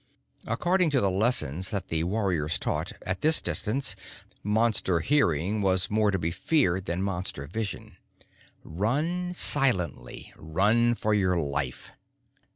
According to the lessons that the warriors taught, at this distance Monster hearing was more to be feared than Monster vision. Run silently. Run for your life.